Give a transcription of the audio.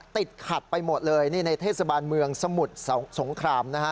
ติดขัดไปหมดเลยนี่ในเทศบาลเมืองสมุทรสงครามนะฮะ